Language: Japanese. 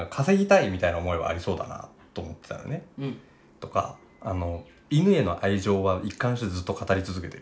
とか犬への愛情は一貫してずっと語り続けてるやん。